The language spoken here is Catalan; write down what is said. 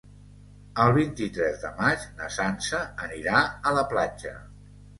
El vint-i-tres de maig na Sança anirà a la platja.